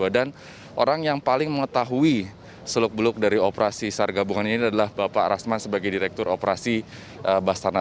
dan orang yang paling mengetahui seluk beluk dari operasi sargabungan ini adalah bapak rasman sebagai direktur operasi bastana